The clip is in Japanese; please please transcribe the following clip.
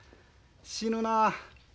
死ぬな。